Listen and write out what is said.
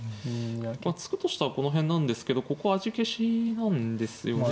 突くとしたらこの辺なんですけどここは味消しなんですよね。